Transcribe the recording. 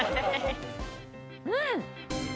うん！